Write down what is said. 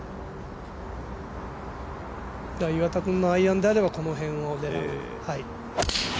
岩田君のアイアンであればこの辺を狙う。